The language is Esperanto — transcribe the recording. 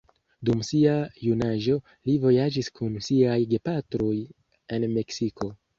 Dum sia junaĝo li vojaĝis kun siaj gepatroj en Meksiko.